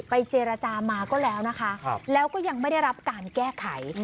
เจรจามาก็แล้วนะคะแล้วก็ยังไม่ได้รับการแก้ไข